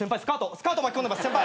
スカート巻き込んでます先輩。